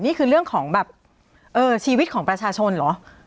นี่คือเรื่องของแบบชีวิตของประชาชนเหรอ